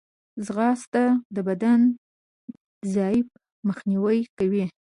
ځغاسته د بدني ضعف مخنیوی کوي